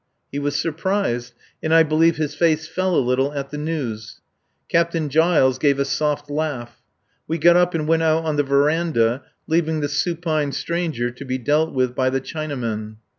He was surprised, and I believe his face fell a little at the news. Captain Giles gave a soft laugh. We got up and went out on the verandah, leaving the supine stranger to be dealt with by the Chinamen.